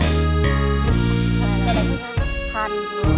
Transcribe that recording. มันเป็นอะไรเหรอ